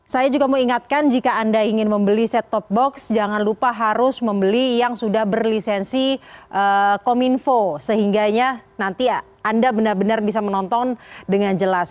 saya juga ingatkan jika anda ingin membeli set top box jangan lupa harus membeli yang sudah berlisensi cominfo sehingganya nanti anda benar benar bisa menonton dengan jelas